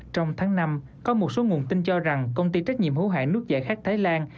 trong tháng năm có một số nguồn tin cho rằng công ty trách nhiệm hữu hại nước dạy khác thái lan